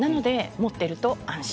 持っていると安心。